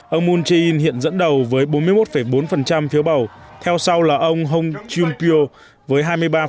ông moon jae in hiện dẫn đầu với bốn mươi một bốn phiếu bầu theo sau là ông hong joon pyo với hai mươi ba ba